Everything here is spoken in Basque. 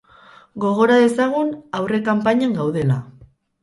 Gogora dezagun aurrekanpainan gaudela.